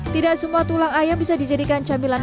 tidak semua tulang ayam bisa dijadikan camilan